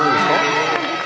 そうなんです。